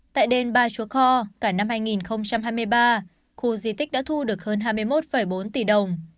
tại đền ba chúa kho cả năm hai nghìn hai mươi ba khu di tích đã thu được hơn hai mươi một bốn tỷ đồng